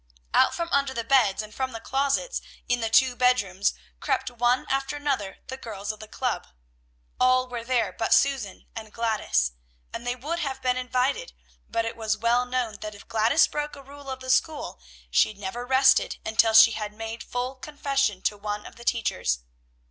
Out from under the beds and from the closets in the two bedrooms crept one after another the girls of the club. All were there but Susan and Gladys; and they would have been invited, but it was well known that if Gladys broke a rule of the school, she never rested until she had made full confession to one of the teachers.